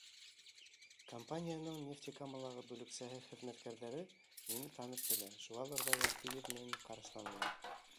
Компанияның Нефтекамалағы бүлексәһе хеҙмәткәрҙәре мине танып белә, шуғалыр ҙа яҡты йөҙ менән ҡаршыланылар.